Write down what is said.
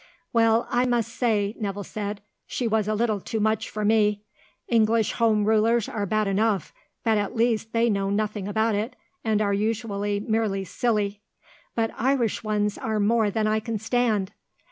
"Well, I must say," Nevill said, "she was a little too much for me. English Home Rulers are bad enough, but at least they know nothing about it and are usually merely silly; but Irish ones are more than I can stand.